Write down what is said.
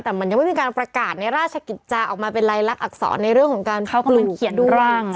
แต่มันยังไม่มีการประกาศในราชกิจจาออกมาเป็นลายลักษรในเรื่องของการเขากำลังเขียนดูร่าง